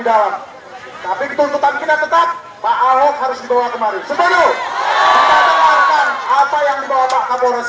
dalam tapi tuntutan kita tetap pak ahok harus dibawa kemari semerukan apa yang dibawa pak kapolres